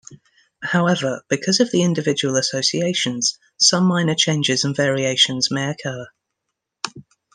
However, because of the individual associations, some minor changes and variations may occur.